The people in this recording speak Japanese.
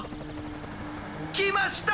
きました！